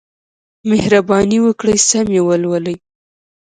مهرباني وکړئ سم یې ولولئ.